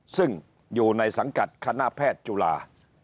ซึ่งอยู่ในสังกัดคณะแพทย์จุฬา